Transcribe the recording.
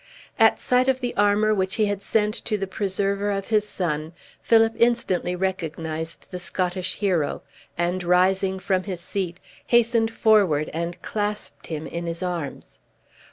At sight of the armor which he had sent to the preserver of his son, Philip instantly recognized the Scottish hero, and rising from his seat, hastened forward and clasped him in his arms.